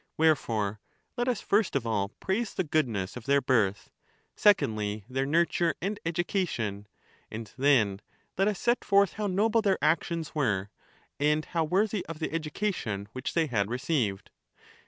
Wherefore let us first of all praise the goodness of their birth ; secondly, their nurture and education ; and then let us set forth how noble their actions were, and how worthy of the education which they had received.